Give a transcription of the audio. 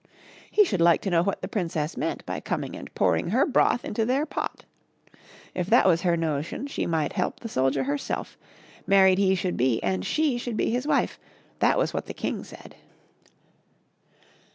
He should like to know what the princess meant by coming and pouring her broth into their pot ! If that was her notion she might help the soldier herself. Married he should be, and she should be his wife — that was what the king said.